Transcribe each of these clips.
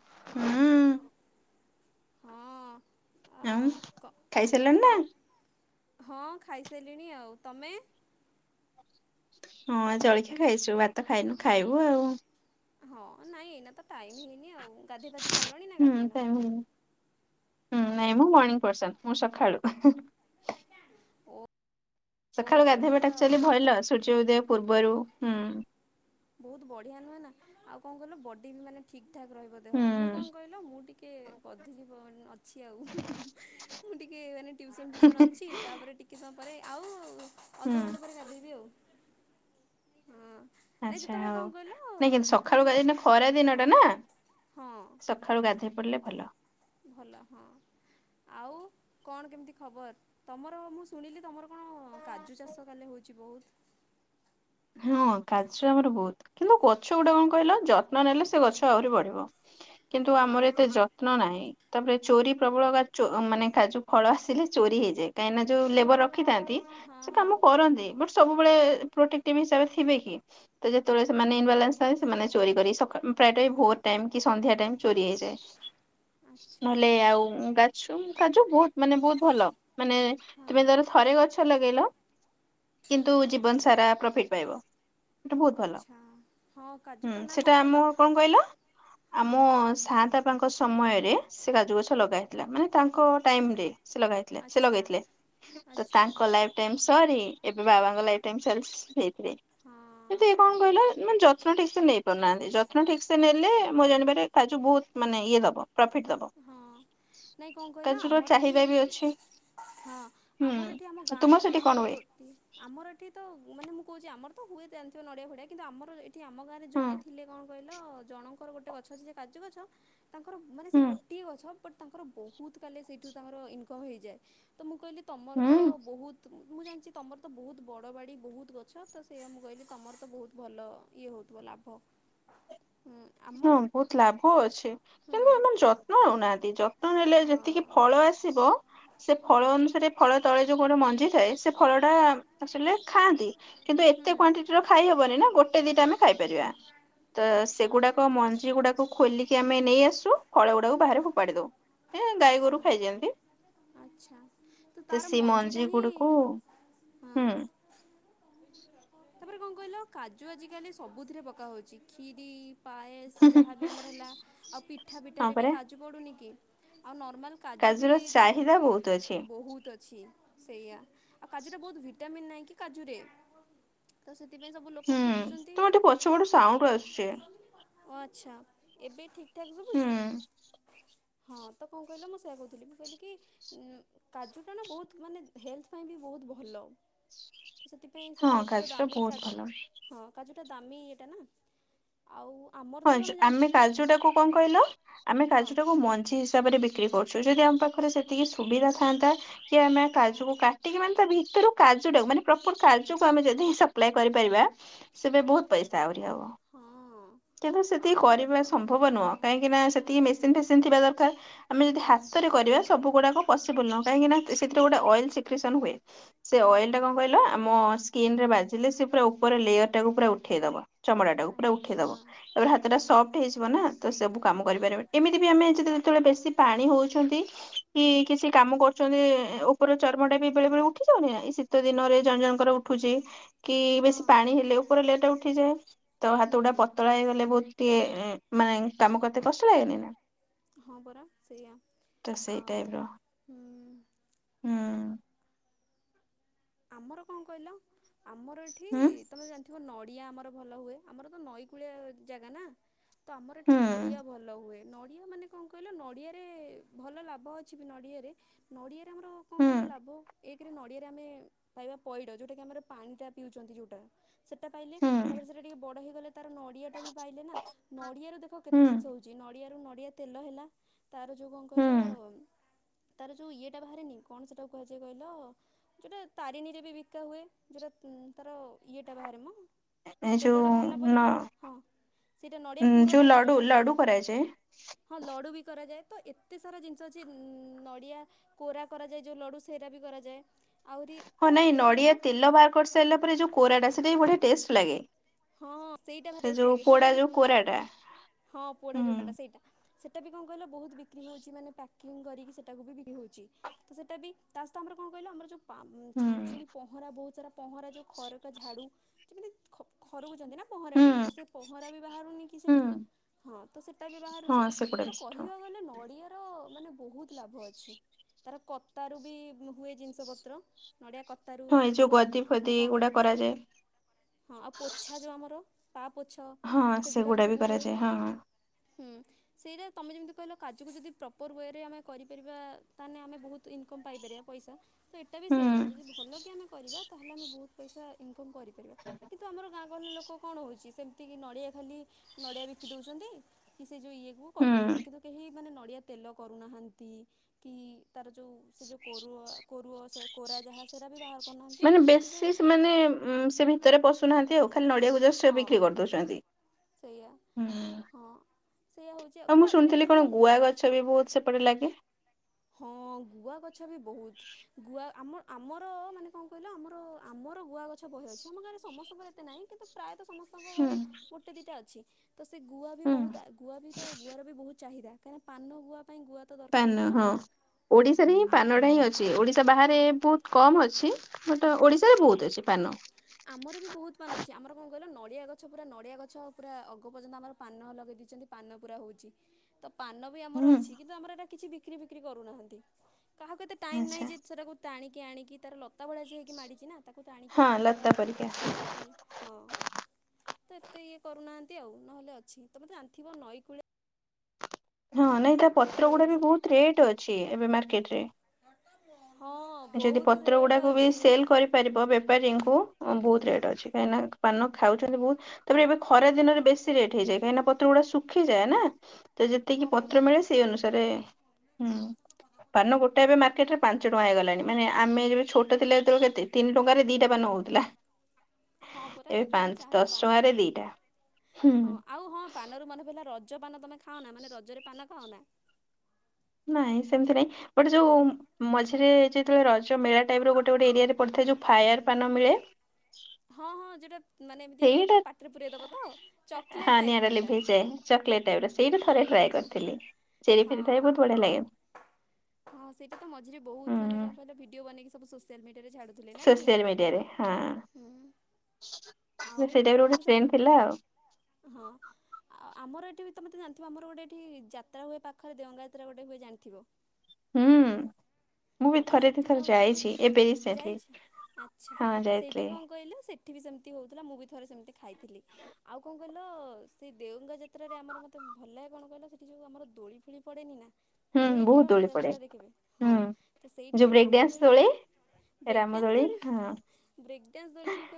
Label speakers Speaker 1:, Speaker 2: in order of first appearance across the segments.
Speaker 1: ହୁଁ।
Speaker 2: ହଁ
Speaker 1: ଆଁ।
Speaker 2: ଆଉ କ
Speaker 1: ଖାଇସାରିଲଣି ନା
Speaker 2: କଣ ହଁ ଖାଇସାରିଲିଣି ଆଉ ତମେ।
Speaker 1: ହଁ ଜଳଖିଆ ଖାଇଛୁ ଭାତ ଖାଇନୁ ଖାଇବୁ ଆଉ।
Speaker 2: ହଁ ନାଇଁ ଏଇନା ତ ଟାଇମ ହେଇନି ଆଉ। ଗାଧେଇ ଫାଧେଇ ସାରିଲଣି ନା
Speaker 1: ହୁଁ
Speaker 2: ଗାଧେଇ ନ।
Speaker 1: ଟାଇମ୍ ହେଇନି। ହୁଁ ନାଇଁ ମୁଁ ମର୍ଣିଂ ପସନ ମୁଁ ସଖାଳୁ
Speaker 2: ଓ ଓ
Speaker 1: ସକାଳୁ ଗାଧୋଇବା
Speaker 2: ବଢ଼ିଆ
Speaker 1: ଟା
Speaker 2: ଆଉ
Speaker 1: କ୍ଚଆଲି
Speaker 2: ମୁଁ
Speaker 1: ଭଲ ସୂର୍ଯ୍ୟ ଉଦୟ ପୂର୍ବରୁ ହୁଁ।
Speaker 2: ବହୁତ ବଢ଼ିଆ ନୁହେଁ ନା ଆଉ କଣ କଲ ବଡି ବି ମାନେ ଠିକ ଠିକ୍ ଠାକ୍ ରହିବ ଦେହ ମୁଁ
Speaker 1: ହୁଁ
Speaker 2: କଣ କହିଲ ମୁଁ ଟିକେ [unintelligible] ଅଛି ଆଉ ମୁଁ ଟିକେ ମାନେ ଟ୍ୟୁମର ଫ୍ୟୁସନ ଅଛି ତାପରେ ଟିକେ ସମୟ ପରେ ହଉ।
Speaker 1: ହୁଁ
Speaker 2: ଅଧଘଣ୍ଟା ପରେ ଗାଧୋଇବି ଆଉ। ହୁଁ।
Speaker 1: ଆଚ୍ଛା ହଉ ନାଇଁ କିନ୍ତୁ ସକାଳୁ ଗା
Speaker 2: ମୋର
Speaker 1: ଖରା ଦିନ
Speaker 2: ହଁ
Speaker 1: ଟା ନା
Speaker 2: ହଁ
Speaker 1: ସକାଳୁ ଗାଧେଇ ପଡିଲେ ଭଲ।
Speaker 2: ଭଲ ହଁ ଆଉ କଣ କେମିତି ଖବର ତମର ମୁଁ ଶୁଣିଲି ତମର କଣ କାଜୁ ଚାଷ କାଲି ହଉଛି ବହୁତ।
Speaker 1: ହଁ କାଜୁ ଆମର ବହୁତ କିନ୍ତୁ ଗଛ ଗୋଟେ କଣ କହିଲ ଯତ୍ନ ନେଲେ ସେ ଗଛ ଆହୁରି ବଢିବ। କିନ୍ତୁ
Speaker 2: ହଁ
Speaker 1: ଆମର ଏତେ ଯତ୍ନ ନାହିଁ। ତାପରେ ଚୋରି ପ୍ରବଳ ମାନେ କାଜୁ ଫଳ ଆସିଲେ ଚୋରି ହେଇଯାଏ କାହିଁକିନା ଯୋଉ ଲେବର ରଖିଥାନ୍ତି
Speaker 2: ହଁ
Speaker 1: ସେ
Speaker 2: ହଁ
Speaker 1: କାମ କରନ୍ତି ସବୁବେଳେ ପ୍ରୋଟ୍କେ ହିସାବରେ ଥିବେ କି? ଯେତେବେଳେ ସେମାନେ
Speaker 2: ହଁ
Speaker 1: ଇନବାଲାନ୍ସ ସେମାନେ ଚୋରି କରି ପ୍ରାୟ ଭୋର ଟାଇମ କି ସନ୍ଧ୍ୟା ଟାଇମ୍। ଚୋରି ହେଇଯାଏ
Speaker 2: ଆଚ୍ଛା
Speaker 1: ନହେଲେ ଆଉ କାଜୁ ବହୁତ ମାନେ ବହୁତ ଭଲ ମାନେ ତୁମେ
Speaker 2: ହଁ।
Speaker 1: ଧର ଥରେ ଗଛ ଲଗେଇଲ କିନ୍ତୁ ଜୀବନ ସାରା ପ୍ରଫିଟ ପାଇବ। ସେଟା ବହୁତ ଭଲ
Speaker 2: ଆଚ୍ଛା ହଁ କାଜୁ
Speaker 1: ହୁଁ
Speaker 2: ତ ନା କଣ
Speaker 1: ସେଟା
Speaker 2: କହିଲ?
Speaker 1: ଆମ କଣ କହିଲ
Speaker 2: ହଁ
Speaker 1: ଆମ ସାଆତାପାଙ୍କ ସମୟରେ ସେ କାଜୁ ଗଛ ଲଗା ହେଇଥିଲା ମାନେ ତାଙ୍କ ଟାଇମରେ ଲଗାହେଇଥିଲେ ସେ
Speaker 2: ଆଚ୍ଛା
Speaker 1: ଲଗେଇଥିଲେ ତ
Speaker 2: ଆଚ୍ଛା
Speaker 1: ତାଙ୍କ ଲାଇଫ ଟାଇମ ସରି ଏବେ ବାବାଙ୍କ ଲାଇଫ ଟାଇମ ଚାଲିଚି ହେଇ ସେଠି
Speaker 2: ହଁ।
Speaker 1: ଏ କଣ କହିଲ ମାନେ ଯ ଯତ୍ନ ଠିକ ସେ ନେଇ ପାରୁନାହାନ୍ତି ଯତ୍ନ ଠିକ ସେ ନେଲେ ମୋ ଜାଣିିବାରେ କାଜୁ ବହୁତ ମାନେ ଇଏ ଦବ। ପ୍ରଫିଟ ଦବ
Speaker 2: ହଁ ନାଇଁ କଣ କହିଲ
Speaker 1: କାଜୁର
Speaker 2: ଆମର ଏଠି
Speaker 1: ଚାହିଦା ବି ଅଛି
Speaker 2: ହଁ ଆମର ଏଠି ଆମ
Speaker 1: ହୁଁ
Speaker 2: ଗାଁ ରେ
Speaker 1: ତୁମ ସେଠି କଣ
Speaker 2: ଜଣଙ୍କର
Speaker 1: ହୁଏ
Speaker 2: ଗୋଟିଏ ଆମର ଏଠି ତ ମାନେ ମୁଁ କହୁଛି ଆମର ତ ହୁଏ ଜାଣିଥିବ ନଡିଆ ଫଡିଆ କିନ୍ତୁ ଆମର ଏ ଠୀ ଆମ ଗାଁରେ
Speaker 1: ହୁଁ
Speaker 2: ଜଣେ ଥିଲେ କଣ କହିଲ ଜଣଙ୍କର ଗୋଟେ ଗଛ ଅଛି ଯେ କାଜୁ ଗଛ ତାଙ୍କର ମାନେ ସେ
Speaker 1: ହୁଁ
Speaker 2: ଗୋ ଛ ବଟ ତାଙ୍କର ବହୁତ କାଲେ ସେଇଠୁ ତାଙ୍କର ଇନକମ ହେଇଯାଏ ତ ମୁଁ କହିଲି ତମର ତ
Speaker 1: ହୁଁ
Speaker 2: ବହୁତ ମୁଁ ଜାଣିଛି ତମର ତ ବହୁତ ବଡ ବାଡି ବହୁତ ଗଛ ତ ସେଇୟା ମୁଁ କହିଲି ତମର ତ ବହୁତ ଭଲ ଇଏ ହଉଥିବ ଲାଭ। ହୁଁ ଆମର
Speaker 1: ହଁ ବହୁତ ଲାଭ ଅଛି
Speaker 2: ହଁ
Speaker 1: କିନ୍ତୁ ଏମାନେ ଯତ୍ନନଉ ନାହାନ୍ତି। ଯ ତ୍ନ ନେଲେ
Speaker 2: ହଁ
Speaker 1: ଯେତିକି ଫଳ ଆସିବ ସେ ଫଳ
Speaker 2: ହଁ।
Speaker 1: ଅନୁସାରେ ଫଳ ତଳେ ଯୋଉ ଗୋଟେ ମଞ୍ଜି ଥାଏ ସେ ଫଳଟା ଅକ୍ଚୁଆଲି ରେ ଖାଆନ୍ତି କିନ୍ତୁ
Speaker 2: ହୁଁ
Speaker 1: ଏତେ କ୍ଵାଣ୍ଟିଟିର ଖାଇହବନି ନା ଗୋଟେ ଦିଟା ଆମେ ଖାଇପାରିବା ତ
Speaker 2: ଆଚ୍ଛା
Speaker 1: ସେଗୁଡ଼ା ମଞ୍ଜି ଗୁଡାକୁ ଖୋଲିକି ଆମେ ନେଇ ଆସୁ ଫଳ ଗୁଡାକୁ
Speaker 2: ହଁ
Speaker 1: ବାହାରେ ଫୋପାଡି ଦଉ ଏ ଗାଈ
Speaker 2: ଆଚ୍ଛା
Speaker 1: ଗୋରୁ ଖାଇଯାନ୍ତି
Speaker 2: ଆଚ୍ଛା
Speaker 1: ତ
Speaker 2: ତାର
Speaker 1: ସେ
Speaker 2: ମଞ୍ଜିଟା
Speaker 1: ମଞ୍ଜି
Speaker 2: ହିଁ
Speaker 1: ଗୁଡିକୁ
Speaker 2: ହଁ
Speaker 1: ହୁଁ। [inaudible]
Speaker 2: ତା ପରେ କଣ କହିଲ କାଜୁ ଆଜିକାଲି ସବୁଥିରେ ପକାହଉଛି କ୍ଷିରୀ ପାଏସ୍ ଯାହା ବି ଆମର ହେଲା ଆଉ ପିଠା
Speaker 1: ହଁ
Speaker 2: ପିଠାରେ ବି
Speaker 1: ପରା
Speaker 2: କାଜୁ ପଡ଼ୁନି କି? ଆଉ ନ ନର୍ମାଲ କାଜୁ ବି
Speaker 1: କାଜୁର
Speaker 2: ଯୋଉମାନେ
Speaker 1: ଚାହିଦା ବହୁତ ଅଛି।
Speaker 2: ବହୁତ ଅଛି। ସେୟା ଆଉ କାଜୁରେ ବହୁତ ଭିଟାମିନ୍ ନାହିଁ କି କାଜୁରେ ତ ସେ
Speaker 1: ହୁଁ ତମର ଟିକେ ପଛପଟୁ ସାଉଣ୍ଟ ଆସୁଛି।
Speaker 2: ଓ ଆଚ୍ଛା ଏବେ ଠିକ ଠାକ୍
Speaker 1: ହୁଁ
Speaker 2: ଶୁବୁଚି। ହଁ ତ କଣ କହିଲ ମୁଁ ସେଇୟା କହୁଥିଲି ମୁଁ କହିଲି କି କାଜୁ ଟା ନା ବହୁତ ମାନେ ହେଲ୍ଥ ପାଇଁ ବି ବହୁତ ଭଲ। ସେଥିପାଇଁ
Speaker 1: ହଁ
Speaker 2: ସେଟା ଅଧିକ
Speaker 1: କାଜୁ ଟା
Speaker 2: ଦାମୀ
Speaker 1: ବହୁତ
Speaker 2: କାଜୁ
Speaker 1: ଭଲ।
Speaker 2: ହଁ କାଜୁ ଟା ଦାମୀ ଇଏ ଟା ନା ଆଉ ଆମର
Speaker 1: ହଁ
Speaker 2: ତ ତମେ
Speaker 1: ଆମେ
Speaker 2: ଜାଣିଥିବ
Speaker 1: କାଜୁ ଟାକୁ କଣ କହିଲ ଆମେ
Speaker 2: ହଁ
Speaker 1: କାଜୁ ଟାକୁ ମଞ୍ଜି ହିସାବରେ ବିକ- ବିକ୍ରି କରୁଛୁ ଯଦି ଆମ ପାଖରେ ସେତିକି ସୁବିଧା ଥାଆନ୍ତା- କି ଆମେ
Speaker 2: ହଁ
Speaker 1: କଜୁକୁ କାଟିକି ମାନେ ତା ଭ। ରୁ କାର୍ଟାକୁ ମାନେ ପ୍ରପର କାର୍ଯ୍ୟକୁ ଆମେ ଯଦି ସପ୍ଲାଏ କରିପାରିବା ସେବେ ବହୁତ ପଇସା ଆହୁରି ହବ।
Speaker 2: ହଁ
Speaker 1: କିନ୍ତୁ
Speaker 2: ଆଉ
Speaker 1: ସେତିକି
Speaker 2: କଣ
Speaker 1: କରିବା
Speaker 2: କରିବ
Speaker 1: ସମ୍ଭବ
Speaker 2: ହଁ
Speaker 1: ନୁହଁ କାହିଁକି ନା ସେତିକି
Speaker 2: ହଁ
Speaker 1: ମେସିନ ଫେସିନ ଥିବା ଦରକାର ଆମେ ଯଦି
Speaker 2: ସେଇଆ
Speaker 1: ହାତରେ କରିବା ସବୁଗୁଡାକ- ପସିବଲ୍ ନୁହ କହିଁକିନାଥିରେ ଗୋଟେ ଅଏଲ ସିକେସନ୍ ହୁଏ। ସେ
Speaker 2: ହଁ
Speaker 1: ଅୟନ ଟା କଣ କହିଲ ଆମ- ସ୍କିନ ରେ ବାଜିଲେ ସେ ପୁରା ଉପରେ ଲେୟର ଟାକୁ ପୁରା ଉଠେଇଦବା- ଚମଡ଼ା ଟାକୁ ପୁରା
Speaker 2: ଆଚ୍ଛା
Speaker 1: ଉଠେଇଦବ- ତା ହାତ ଟା
Speaker 2: ହଁ
Speaker 1: ସଫ୍ଟ ହେଇଯିବ ନା ତ ସବୁ କାମ
Speaker 2: ହଁ
Speaker 1: କରିପାରିବ ଏମିତି ବି ଆମେ ଯଦି- ଯେତେବେଳେ ବେଶୀ ପାଣି ହଉଛନ୍ତି କି କିଛି କାମ କରୁଛନ୍ତି ଉପର ଚର୍ମଟା ବି ବେଳେ ବେଳେ ଉଠି ଯାଉନି ନା ଶୀତ ଦିନରେ ଜଣ ଜଣଙ୍କର ଉଠୁଛି- କି ବେଶୀ
Speaker 2: ହଁ
Speaker 1: ପାଣି ହେଲେ ଉପର ଲଟା- ଠ ଯେ ତ ହାତୋଟା
Speaker 2: ହୁଁ
Speaker 1: ପ- ବହୁତ ଟିକେ ମାନେ କାମ କରତେ କଷ୍ଟ ଲାଗେନି ନା
Speaker 2: ହଁ ପରା ସେଆ
Speaker 1: ତ ସେଇ
Speaker 2: ଆଉ,
Speaker 1: ଟାଇପ ର ହୁଁ
Speaker 2: ଆମର କଣ କହିଲ ଆମର ଏଠି
Speaker 1: ହୁଁ
Speaker 2: ତମେ ଜାଣିଥିବ ନଡି ଡିଆ ଆମର ଭଲ ହୁଏ ଆମର ତ ନଈ କୂଳିଆ ଜାଗା ନା ତ ଆମର ଏଠି
Speaker 1: ହୁଁ
Speaker 2: ନଡ଼ିଆ ଭଲ ହୁଏ, ନଡ଼ିଆ ମାନେ କଣ କହିଲ ନଡ଼ିଆରେ ଭଲ ଲାଭ ଅଛି ବି ନଡ଼ିଆରେ ନଡ଼ିଆ ଆମର କଣ
Speaker 1: ହୁଁ
Speaker 2: କହିଲ ଲାଭ ଏକରେ ନଡିଆରେ ଆମେ ପାଇବା ପଇଡ ଯୋଉଟା କି ଆମର ପାଣି ଟା ପିଉଛନ୍ତି ଯୋଉଟା, ସେଟା ପାଇଲେ
Speaker 1: ହୁଁ
Speaker 2: ତାପରେ ସେଇଟା ଟିକେ ବଡ ହେଇଗଲେ ତାର ନଡିଆ ଟା ବି ପାଇଲେ ନା ନଡିଆ ର ଦେଖ କେତେ
Speaker 1: ହୁଁ
Speaker 2: ଜିନିଷ ହଉଛି ନଡିଆରୁ ନଡିଆ ତେଲ ହେଲା, ତାର ଯୋଉ କଣ କହିଲ,
Speaker 1: ହୁଁ
Speaker 2: ତାର ଯୋଉ ଇଏଟା ବାହାରାରେନି କଣ ସେଟାକୁ କୁହାଯାଏ କହିଲ ଯୋଉଟା ତାରିଣୀରେ ବି ବିକା ହୁଏ ଯେଉଁଟା ତାର ଇଏଟା ବାହାରେ ମ
Speaker 1: ଏ ଯୋଉ
Speaker 2: ତେଲଟା ବାହାରିଲା ପରେ
Speaker 1: ନ
Speaker 2: ଯୋଉ ହଁ ସେଟା ନଡିଆ ପୁର
Speaker 1: ଯୋଉ
Speaker 2: ଟାଇପ ର
Speaker 1: ଲଡୁ
Speaker 2: ଯୋଉଟା
Speaker 1: ଲଡୁ
Speaker 2: କୁହାଯାଏ
Speaker 1: କରାଯାଏ
Speaker 2: ହଁ ଲଡୁ ବି କରାଯାଏ, ତ ଏତେ ସାରା ଜିନିଷ ଅଛି ନଡ଼ିଆ କୋରା କରାଯାଏ ଯେଉଁ ଲଡ଼ୁ ସେଇଟା ବି କରାଯାଏ, ଆଉ
Speaker 1: ହଁ ନାଇଁ ନଡିଆ ତେଲ ବାହାର କରି ସାରିଲା ପରେ ଯୋଉ କୋରାଟା ସେଟା ବି ବଢିଆ ଟେଷ୍ଟ ଲାଗେ,
Speaker 2: ହଁ ସେଇଟା ଭାରି
Speaker 1: ସେ
Speaker 2: ଟେଷ୍ଟ
Speaker 1: ଯୋଉ
Speaker 2: ଲାଗେ ସେଇଟା
Speaker 1: ପୋଡା ଯୋଉ
Speaker 2: ବି
Speaker 1: କୋରାଟା
Speaker 2: ହଁ ପୋଡା
Speaker 1: ହୁଁ
Speaker 2: ଯଉଟା ସେଇଟା। ସେଇଟା ବି କଣ କହିଲ ବହୁତ ବିକ୍ରି ହଉଛି ମାନେ ପ୍ୟାକିଙ୍ଗ କରିକି ସେଟାକୁ ବି ବିକ୍ରି ହଉଛି ତ ସେଟା ବି ତା ସହିତ ଆମର କଣ କହିଲ ଆମର ଯୋଉ
Speaker 1: ହୁଁ
Speaker 2: ଛାଞ୍ଚୁଣି ପହଁରା ବହୁତ ସାରା ପହଁରା ଯେଉଁ ଖରକା ଝାଡ଼ୁ ଯେମିତି ଖରକୁ ଚନ୍ତି ନା
Speaker 1: ହୁଁ
Speaker 2: ପହଁରାରେ ସେ ପହଁରା ବି ବାହାରୁନି କି
Speaker 1: ହୁଁ
Speaker 2: ସେଠୁ ହଁ ତ ସେଟା ବି ବାହାରୁଚି।
Speaker 1: ହଁ ସେଗୁଡା ବି ସେଠୁ
Speaker 2: କହିବାକୁ ଗଲେ ନଡିଆ ତାର ମାନେ ବହୁତ ଲାଭ ଅଛି ତାର କତା ରୁ ବି ହୁଏ ଜିନିଷ ପତ୍ର। ନଡ଼ିଆ କତାରୁ
Speaker 1: ହଁ ଏଇ
Speaker 2: ଆମର
Speaker 1: ଯୋଉ
Speaker 2: ସବୁ
Speaker 1: ଗଦି ଫଦି
Speaker 2: ମାନେ କଣ କହ
Speaker 1: ଗୁଡା କରାଯାଏ
Speaker 2: ହଁ ଆ ଯେଉଁ ଆମର ପା ପୋଛ
Speaker 1: ହଁ ସେଗୁଡା ବି କରାଯାଏ ହଁ ହଁ।
Speaker 2: ହଁ ସେଇଟା ତମେ ଯେମିତି କହିଲ କାର୍ଯ୍ୟକୁ ଯଦି ପ୍ରପର ୱେରେ ଆମେ କରିପାରିବା ତାହେଲେ ଆମେ ବହୁତ ଇନକମ୍ ପାଇପାରିବା ପଇସା ତଇଟା ବି
Speaker 1: ହୁଁ
Speaker 2: ସେଇ ଆଉ ଯଦି ଭଲ କିି ଆମେ କରିବା ତାହେଲେ ଆମେ ବହୁତ ପଇସା ଇନକମ୍ କରିପାରିବା କିନ କିନ୍ତୁ ଆମର ଗାଁ ଗହଳି ଲୋକ କଣ ହେଉଛି ସେମିତି କିି ନଡ଼ିଆ ଖାଲି ନଡ଼ିଆ ବିକି ଦେଉଛନ୍ତି କି ସେ ଯେଉଁ ଇଏକୁ
Speaker 1: ହୁଁ
Speaker 2: କରିଦେଉଛନ୍ତି କିନ୍ତୁ କେହି ମାନେ ନଡ଼ିଆ ତେଲ କରୁନାହାନ୍ତି କି ତାର ଯେଉଁ ସେ ଯେଉଁ କୋରୁଅ କୋରୁଅ କୋରା ଯାହା ସେଇରା ବି ବାହାର କରୁନାହାନ୍ତି
Speaker 1: ମାନେ
Speaker 2: ତ ସେଥିପାଇଁ
Speaker 1: ବେଶୀ ସେ
Speaker 2: ଏତେ
Speaker 1: ମାନେ ଉ ସେ ଭିତରେ ପ ଶୁହାନ୍ତି ଆଉ ଖାଲି ନଡିଆକୁ ଜ
Speaker 2: ହଁ
Speaker 1: ବିକ୍ରି କରିଦଉଛନ୍ତି
Speaker 2: ସେଇଆ ହଁ ସେଇଆ ହେଉଛି
Speaker 1: ଆଉ
Speaker 2: କିନ୍ତୁ
Speaker 1: ମୁଁ
Speaker 2: ଆଜିକାଲି
Speaker 1: ଶୁଣିଥିଲି କଣ
Speaker 2: ଦେଖିଲ
Speaker 1: ଗୁଆ ଗଛ ବି ବହୁତ ସେପଟେ ଲାଗେ
Speaker 2: ହଁ ଗୁଆ ଗଛ ବି ବହୁତ ଗୁଆ ଆମ ଆମର ମାନେ କଣ କହିଲ ଆମର ଆମର ଗୁଆ ଗଛ ବହିେ ଅଛି ଆମ ଗାଁରେ ସମସ୍ତଙ୍କର ଏତେ ନାହିଁ କିନ୍ତୁ ପ୍ରାୟଃ ତ ସମସ୍ତଙ୍କ
Speaker 1: ହୁଁ
Speaker 2: ଘରେ ଗୋଟେ ଦିଟା ଅଛି। ତ ସେ ଗୁଆ ବି
Speaker 1: ହୁଁ।
Speaker 2: ବହୁତ ଗୁଆ ବି ତ ଗୁଆର ବି ବହୁତ ଚାହିଦା କଁ ପ ପାନ ଗୁଆ ପାଇଁ ଗୁଆ ତ ଦରକାର ନା
Speaker 1: ପାନ ହଁ।
Speaker 2: ଆମର ହଁ
Speaker 1: ଓଡିଶାରେ ହିଁ
Speaker 2: ଆ-
Speaker 1: ପାନଟା ହିଁ ଅଛି ଓଡିଶା ବାହାରେ
Speaker 2: ହଁ
Speaker 1: ବହୁତ କମ ଅଛି ବଟ ଓଡିଶାରେ ବହୁତ ଅଛି ପାନ ହଁ।
Speaker 2: ଆମର ବି ବହୁତ ମାନ ଅଛି ଆମର କଣ କହିଲ ନଡ଼ିଆ ଗଛ ପୁରା ନଡ଼ିଆ ଗଛ ପୁରା ଅଗ ପର୍ଯ୍ୟନ୍ତ ଆମର ପାନ ଲଗେଇ ଦେଇେଛନ୍ତି ପାନ ପୁରା ହଉଛି ତ ପାନ ବି ଆମର
Speaker 1: ହୁଁ
Speaker 2: ଅଛି କିନ୍ତୁ ଆମର ଏଇଟା କିଛି ବିକ୍ରି ଫିକ୍ରି କରୁନାହାନ୍ତି। କାହାକୁ ଏତେ ଟାଇମ ନାହିଁ
Speaker 1: ଆଚ୍ଛା।
Speaker 2: ଯେ ସେଟାକୁ ଟାଣି କି ଆଣିକି ତାର ଲ ଗତ ଭଳେଆ ସେ ହେଇକି ମାଡିଛି ନା ତାକୁ ତ ଆଣିକି ଆଣିକି
Speaker 1: ତା ପରିକା
Speaker 2: ଖୋଲିକି ହଁ ତ ଏତେ ଇଏ କରୁନାହାନ୍ତି ଆଉ ନହେଲେ ଅଛି ତମେ ଜାଣିଥିବ ନଈ କୂଳ
Speaker 1: ହଁ ନାଇଁ ତା ପତ୍ର ଗୁଡା ବି
Speaker 2: ଏସବୁ।
Speaker 1: ବହୁତ ରେଟ୍ ଅଛି ଏବେ ମା ର୍କେଟ ରେ।
Speaker 2: ହଁ
Speaker 1: ଯଦି
Speaker 2: ବହୁତ
Speaker 1: ପତ୍ର
Speaker 2: ରେଟ୍
Speaker 1: ଗୁଡାକୁ ବି
Speaker 2: ଅଛି
Speaker 1: ସେଲ କରିପାରିବ ବେପାରୀଙ୍କୁ ଓ ବହୁତ ରେଟ୍ ଅଛି କାହିଁକିନା ପାନ ଖାଉଛନ୍ତି ବହୁତ ତାପରେ ଏବେ ଖରା ଦିନରେ ବେଶୀ ରେଟ୍ ହେଇଯାଏ କାହିଁକିନା ପତ୍ର ଗୁଡା ଶୁଖଯାଏ ନା ତ
Speaker 2: ହଁ
Speaker 1: ଯେତିକି
Speaker 2: ପରା
Speaker 1: ପତ୍ର ମିଳେ ସେ ଅନୁସ ରେ ହୁଁ ପାନ ଗୋଟେ ଏବେ ମାର୍କେଟରେ ପାଞ୍ଚ ଟଙ୍କା ହେଇଗଲାଣି ମାନେ ଆମେ ଯେବେ ଛୋଟ ଥିଲେ ଯେତେବେଳେ କେତ ତିନି ଟଙ୍କାରେ ଦି ଟଙ୍କା ନଉଥିଲା।
Speaker 2: ହଁ ପୁରା ଏବେ ବି ଚା ପାନର
Speaker 1: ଦିଟା ହୁଁ
Speaker 2: ହଁ ଆଉ ହଁ ପାନରୁ ମନେ ପିଲା ରଜ ରଜ ପାନ ତମେ ଖାଅ ନା ମାନେ ରଜରେ ପାନ ଖାାଉନା
Speaker 1: ନାଇଁ ସେମିତି ନାଇଁୋଟେ ଯୋଉ ମଝିରେ ଯେତେବେଳେ ରଜ ମେଳା ଟାଇପ ର ଗୋଟେ ଗୋଟେ ଏରିଆରେ ପଡିଥାଏ ଯୋଉ ଫାୟାର ପାନ ମିଳେ
Speaker 2: ହଁ ହଁ ଯେଟା ମାନେ ଏମିତି ଇଏ
Speaker 1: ସେଇଟା
Speaker 2: କଦ ପାଟିରେ ପୁର ଦବ ତ
Speaker 1: ହଁ
Speaker 2: ଚକୋଲେଟ ଟାଇପ ର
Speaker 1: ନିଆଁଟା
Speaker 2: ଏଇଟା
Speaker 1: ଲିଭେଇଯାଏ ଚକୋଲେଟ ଟାଇପ ର ସେଇଟା ଥରେ ଟ୍ରାଏ
Speaker 2: ହଁ
Speaker 1: କରିଥିଲି। ଚେରି ଫେରି ଥାଏ
Speaker 2: ହଁ
Speaker 1: ବହୁତ ବଢିଆ ଲାଗେ
Speaker 2: ହଁ ସେଇଟା ତ ମଝିରେ ବହୁତ ମାନେ
Speaker 1: ହୁଁ।
Speaker 2: କଣ କହିଲ ଭିଡିଓ ବନେଇକି ସୋସିଆଲ ମି ଆ ତମର
Speaker 1: ସୋସିଆଲ ମିଡିଆରେ ହଁ ସେଇଟା ବି ଗୋଟେ ଟ୍ରେଣ୍ଡ
Speaker 2: ସେପଟ
Speaker 1: ଥିଲା ଆଉ
Speaker 2: ହ ଆମର ତମ ଆମର ଗୋଟେ ଏଠି ଯାତ୍ରା ହୁଏ ପାଖରେ ଦେବଙ୍ଗ ଯାତ୍ର ଗଟେ ହୁଏ ଜାଣିଥିବ।
Speaker 1: ହୁଁ। ମୁଁ ବି
Speaker 2: ହଁ ତ
Speaker 1: ଥରେ ଦି
Speaker 2: ସେଠି
Speaker 1: ଥର
Speaker 2: କଣ କହିଲ
Speaker 1: ଯାଇଛି ଏବେ ରିସେଣ୍ଟଲି
Speaker 2: ଯାଇଛ ଆଚଛା
Speaker 1: ହଁ
Speaker 2: ସେଇଠି
Speaker 1: ଯାଇଥିଲି
Speaker 2: କଣ କହିଲ ସେ ଏଠି ବି ସେମିତି ହଉଥିଲା ମୁଁ ବି ଥରେ ସେମିତି ଖାଇଥିଲି ଆଉ କଣ କହିଲ ସେ ଦେଓଙ୍ଗା ଯାତ୍ରାରେ ଆମର ମତେ ତ ଭଲାଗଏ କଣ କହିଲ ସେଠ ଯେଉଁ ଆମର ଦୋଳି ଫଳି ପଡ଼ନି ନା
Speaker 1: ହୁଁ
Speaker 2: ଦୋଳି
Speaker 1: ବହୁତ
Speaker 2: ଖେଳ
Speaker 1: ପଡେ।
Speaker 2: ଯାତ୍ରାରେ କେବେ ହଁ
Speaker 1: ହୁଁ
Speaker 2: ତ ସେଇଠି ଯୋଉ
Speaker 1: ବ୍ରେକ୍
Speaker 2: ରାମ
Speaker 1: ଡ୍ୟାନ୍ସ
Speaker 2: ଦୋଳିୋ
Speaker 1: ଦୋଳି ରାମ ଦୋଳି ହଁ
Speaker 2: ମୁ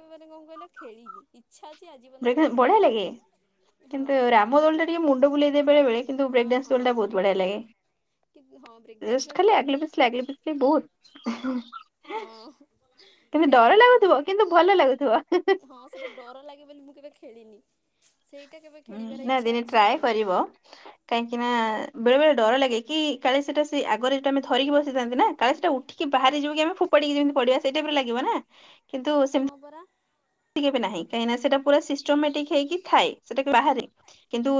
Speaker 2: କଣ କହିଲ? ଖିବି ଇଛା ଅଛି ଆଜି ମଲ
Speaker 1: ବ୍ରେକ୍
Speaker 2: କେବେ
Speaker 1: ଡ୍ୟାନ୍ସ ବଢିଆ
Speaker 2: ଖେଳିନି ହଁ
Speaker 1: ମୁଣ୍ଡୁ ବୋଲିଇ ବବେଳେ କିନ୍ତୁ
Speaker 2: ହଁ
Speaker 1: ବ୍ରେଡ ତଟ
Speaker 2: ହଁ
Speaker 1: ବହୁ ବଢିଆ ଲାଗେ।
Speaker 2: କି ହଁ ବ୍ରେକ୍ ଡ୍ୟାନ୍ସ
Speaker 1: ଜଷ୍ଟ ଖାଲି
Speaker 2: ଦୋଳିରେ
Speaker 1: ଆଗଲେ
Speaker 2: କିନ୍ତୁ
Speaker 1: ପଛିଲ ଆଗଲି ପଛିଲ ବହୁତ ହଁ
Speaker 2: ହଁ
Speaker 1: ତମେ ଡର
Speaker 2: ସେଇଟା ଆଉ
Speaker 1: ଲାଗୁଥିବ କିନ୍ତୁ ଭଲ ଲାଗୁ। ଥିବ
Speaker 2: ହଁ ସେଟା ଡର ଲାଗେ ବୋଲି ମୁଁ କେବେ ଖେଳିନି ସେଇଟା କେବେ
Speaker 1: ହଁ
Speaker 2: ଖେଳିବାର
Speaker 1: ନା
Speaker 2: ଇଚ୍ଛା
Speaker 1: ଦିନେ
Speaker 2: ଅଛି
Speaker 1: ଟ୍ରଏ
Speaker 2: ଆଉ।
Speaker 1: କରିବ କାହିଁକି ନା? ବେଳେ ବଳେଡର ଲାଗେ କି କାଳେ ସେଟା ସେ ଆଗରେ ଯଉଟା ଆମେ ଧରି ବସିଥାନ୍ତି ନା କାଳେ ସେଟା ଉଠିକି ବାହାରି ଯିବ କି ଆମ ଫୋାିକି ଯେମିତି ପଡିବା ସେଇଟରେ ଲାଗିବ ନା କିନ୍ତୁ ସେମ
Speaker 2: ହଁ ପରା
Speaker 1: ନାହିଁ କାହିଁ ସେଟା ପୁରାିମଟିକ ହେଇକି ଏ ସେଟା ବାହାରେ କିନ୍ତୁ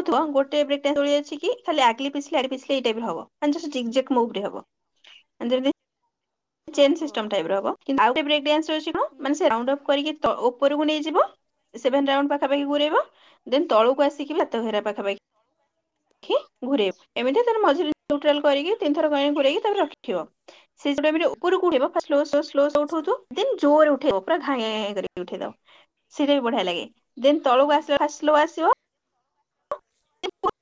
Speaker 2: ହଁ ପରା
Speaker 1: ଗୋଟେ ବ୍ରେକ୍ ଟା ଚଳି ଅଛି। କି ଖାଲି ଆକ୍ଲିପିିଲଡିିଲ ଏଇଟ ହବ ହବ ଜାଣିଚୁ ସେ ଜିକ୍ ଯାକ ମଗ୍ ରେ ହବ।
Speaker 2: ହଁ
Speaker 1: ଚେନ୍
Speaker 2: ହଁ
Speaker 1: ସିଷ୍ଟମ ଟାଇପ ର ହବ। କିନ୍ତୁ ଆଉ ଗୋଟେ ବ୍ରକେ ଡାନ୍ସ [unintelligible] ମାନେ ସେ ରାଉଣ୍ଡ ଅଫ୍ କରିକି ତ ଓ ଉପରକୁ ନେଇଯିବ ସେଭେ ରା ପାଖାପାଖି ଘରୋଇବ ଦେନ ତଳକୁ ଆସିକି ଭାତ ଘେରା ପାଖାପାଖିଖି ଘରେବ ଏମିତି ତ ମଝିରେ କରିକି ତିନିଥରକି ତା ରଖିବ ସେଟା ଉପରକୁ ଉଡ଼ାଇବ ସ୍ଲୋ ସ୍ଲୋ
Speaker 2: ଆଚ୍ଛା
Speaker 1: ଉଠୋଉଥିବ ଦେନ୍ ଜୋର ଉଠେଇ ପୁରା ଘାଁ ଘାଁ କରିକି ଉଠେଇ ଦବ ସିଟା ବି ବଢିଆ ଲାଗେ। ଦେନ୍
Speaker 2: ହଁ
Speaker 1: ତଳକୁ ଆସିଲେ ଫାର୍ଷ୍ଟ ସ୍ଲୋ ଆସିବ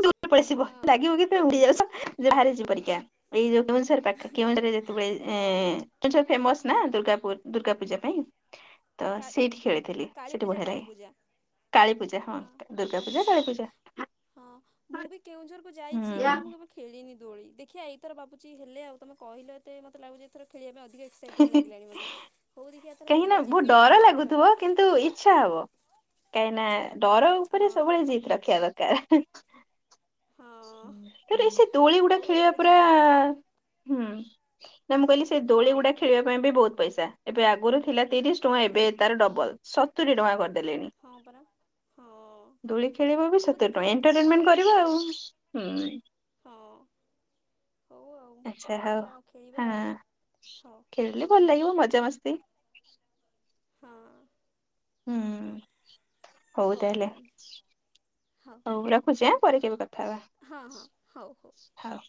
Speaker 1: ଦୂରେ ପଳେଇସିବ
Speaker 2: ହଁ
Speaker 1: ଲାଗିବ କିଡି ଯାାଉ ଯେ ବାହାରିଛି ପରୀକ୍ଷା ଏଇ ଯୋଉ ଦ ସାର୍ ପାଖା କେରେ ଯେତେବେଳେ
Speaker 2: ହଁ
Speaker 1: ଏ ତୁ ଫେମସ ନା ଦୁର୍ଗା ପୂ ଦୁର୍ଗା ପୂଜା ପାଇଁ ତ
Speaker 2: କା
Speaker 1: ସେଇଠି ଖେଳିଥିଲି ସେଠି
Speaker 2: କାଳୀପୂଜା
Speaker 1: ବଢିଆ ଲାଗେ
Speaker 2: କାଳୀପୂଜା
Speaker 1: କାଳୀ ପୂଜା
Speaker 2: ହଁ
Speaker 1: ଦୁର୍ଗା ପୂଜା
Speaker 2: ଆଚ୍ଛା
Speaker 1: କାଳୀ ପୂଜା।
Speaker 2: ହଁ ମୁଁ ବି କେଉଁଝରକୁ ଯାଇଚି
Speaker 1: ହୁଁ
Speaker 2: କିନ୍ତୁ ମୁଁ କେବେ ଖେଳିିନି ଦୋଳି ଦେଖିଆ ଏଇଥର ଭାବୁଚି ହେଲେ ଆଉ ତମେ କହିଲ ଏତେ ମତେ ଲାଗୁଚି ଏଇଥର ଖେଳିଆ ପାଇଁ ଅ ଧିକ ଏକ୍ସାଇଟିଂ ଲାଗିଲାଣି ମତେ ହଉ ଦେଖିଆ
Speaker 1: କେହି ନା ଡର ଲାଗୁଥିବ କିନ୍ତୁ ଇଚ୍ଛା ହବ କାଇଁ ନା ଡର ଉପରେ
Speaker 2: ହଁ
Speaker 1: ସବୁବେଳେ ଜିିତ୍ ରଖିଆ କ [unintelligible]
Speaker 2: ହଁ
Speaker 1: ଏଥର ସେ ଦୋଳି ଗୁଡା
Speaker 2: ହଉ
Speaker 1: ଖେଳିବା
Speaker 2: ଏଥର
Speaker 1: ପୁରା
Speaker 2: ଯିବା ଦେଖିବା ଆଉ
Speaker 1: ହୁଁ ନା ମୁଁ କହିଲି ସେ ଦୋଳି
Speaker 2: ହଁ
Speaker 1: ଗୁଡା ଖେଳିବା ପାଇଁ ବି ବହୁତ ପଇସା ଏବେ ଆ ଆଗରୁ ଥିଲା ତିରିଶ ଟଙ୍କା ଏବେ ତାର ଡବଲ ସତୁୁରି ଟଙ୍କା କର ଦେଲେଣି
Speaker 2: ହଁ ପରା ହଁ
Speaker 1: ଦୋଳି ଖେଳିବ ବି
Speaker 2: ହଉ
Speaker 1: ସେତେ ଟଙ୍କା
Speaker 2: ଦେଖିବା ତଥାପି
Speaker 1: ଏଣ୍ଟରଟେନମେଣ୍ଟ କରିବ ଆଉ ହୁଁ।
Speaker 2: ହଁ ହଉ ଆଉ
Speaker 1: ଆଚ୍ଛା ହଉ
Speaker 2: ଦେଖିବା ଆଉ ଖେଳିବା
Speaker 1: ହଁ
Speaker 2: ଆଉ ହଉ
Speaker 1: ଖେଳିଲେ ଭଲ [unintelligible] ମଜା ମସ୍ତି
Speaker 2: ହଁ।
Speaker 1: ହୁଁ। ହଉ ତାହେଲେ ହଉ ରଖୁଛି ଆଁ। ପରେ କେବେ କ ଥାହବା
Speaker 2: ହଁ ହଁ ହଉ
Speaker 1: ହଉ।